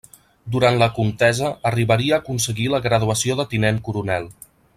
Durant la contesa arribaria a aconseguir la graduació de tinent coronel.